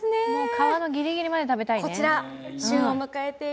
皮のギリギリまで食べたいね。